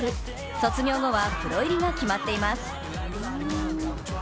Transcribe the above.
卒業後はプロ入りが決まっています。